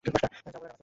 যা বলার আমাকে বলো।